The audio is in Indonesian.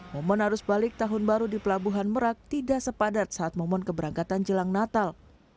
momen arus balik tahun baru di pelabuhan merak tidak sepadat saat momen keberangkatan jelang natal